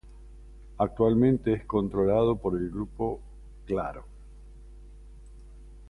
Actualmente es controlado por el Grupo Claro.